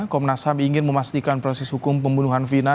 komnas ham ingin memastikan proses hukum pembunuhan vina